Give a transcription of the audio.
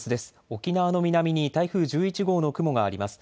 沖縄の南に台風１１号の雲があります。